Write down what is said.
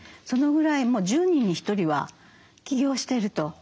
そのぐらい１０人に１人は起業していると。